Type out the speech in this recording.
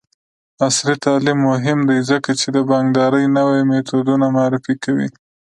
عصري تعلیم مهم دی ځکه چې د بانکدارۍ نوې میتودونه معرفي کوي.